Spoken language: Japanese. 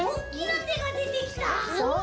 そう。